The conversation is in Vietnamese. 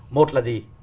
một là gì